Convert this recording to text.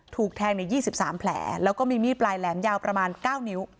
ถูกแทงในยี่สิบสามแผลแล้วก็มีมีดปลายแหลมยาวประมาณเก้านิ้ว